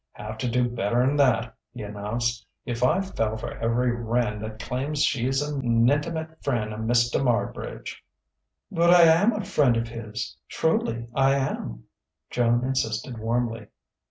"Havta do better'n that," he announced. "If I fell for ev'ry wren what claims she's a nintimate frien' of Mista Marbridge " "But I am a friend of his truly I am!" Joan insisted warmly.